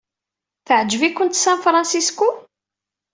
Teɛjeb-ikent San Francisco?